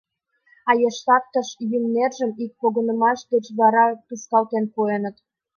А ешартыш лӱмнержым ик погынымаш деч вара тушкалтен пуэныт.